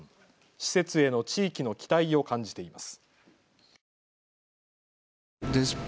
施設への地域の期待を感じています。